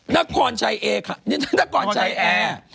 นครชายแอร์